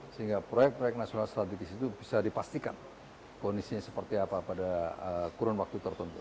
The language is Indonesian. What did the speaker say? sehingga proyek proyek nasional strategis itu bisa dipastikan kondisinya seperti apa pada kurun waktu tertentu